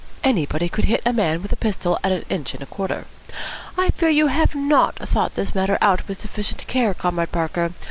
Anybody could hit a man with a pistol at an inch and a quarter. I fear you have not thought this matter out with sufficient care, Comrade Parker.